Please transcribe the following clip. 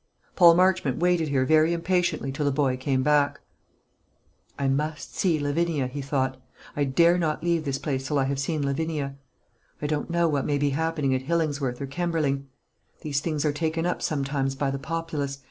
Paul Marchmont waited here very impatiently till the boy came back. "I must see Lavinia," he thought. "I dare not leave this place till I have seen Lavinia. I don't know what may be happening at Hillingsworth or Kemberling. These things are taken up sometimes by the populace.